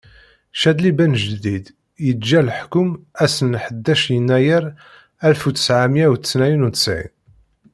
Cadli Benǧdid yeǧǧa leḥkum ass n ḥdac yennayer alef utseɛ meyya utnayen utesɛin.